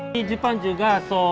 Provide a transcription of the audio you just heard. di jepang juga sport